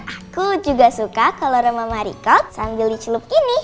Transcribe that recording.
aku juga suka kalau roma mariko sambil dicelup gini